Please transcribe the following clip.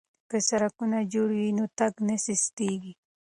که سړکونه جوړ وي نو تګ نه ستیږي.